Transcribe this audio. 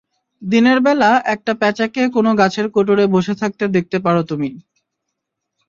দিনের বেলা একটা প্যাঁচাকে কোনো গাছের কোটরে বসে থাকতে দেখতে পারো তুমি।